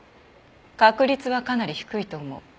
確率はかなり低いと思う。